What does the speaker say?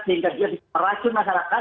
sehingga dia diperlacu masyarakat